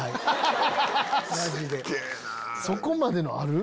そこまでのある？